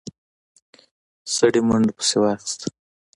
سړي منډه پسې واخيسته.